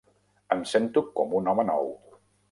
Em sento com un home nou.